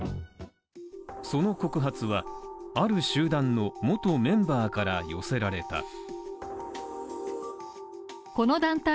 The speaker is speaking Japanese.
その告発はある集団の元メンバーから寄せられた。